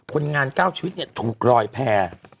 คนงานก้าวชีวิตเนี่ยถูกรอยแพร่